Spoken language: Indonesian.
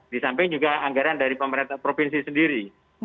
di samping juga anggaran dari pemerintah provinsi sendiri